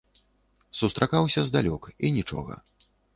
Сустракаўся здалёк, і нічога.